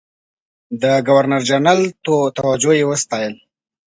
د ګورنرجنرال توجه یې وستایل.